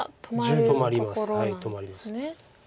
止まります。